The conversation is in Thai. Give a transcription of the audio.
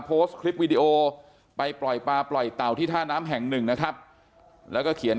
โพสต์คลิปวิดีโอไปปล่อยปลาปล่อยเต่าที่ท่าน้ำแห่งหนึ่งนะครับแล้วก็เขียน